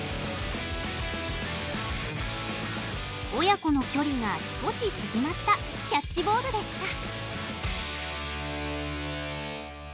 親子の距離が少し縮まったキャッチボールでした。